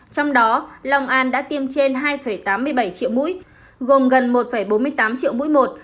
trong đó long an đã tiêm trên hai tám mươi bảy triệu mũi gồm gần một bốn mươi tám triệu mũi một